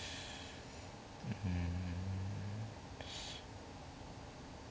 うん。